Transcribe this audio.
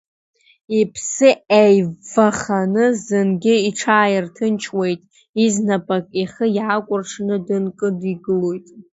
Иԥсы еиваханы, зынгьы иҽааирҭынчуеит, изнапык ихы иаакәыршаны, дынкыдилоит.